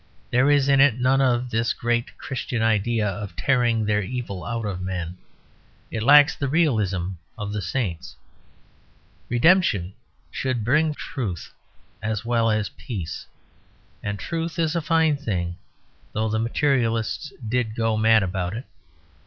There is in it none of this great Christian idea of tearing their evil out of men; it lacks the realism of the saints. Redemption should bring truth as well as peace; and truth is a fine thing, though the materialists did go mad about it.